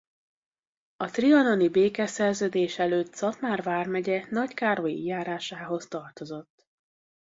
A trianoni békeszerződés előtt Szatmár vármegye Nagykárolyi járásához tartozott.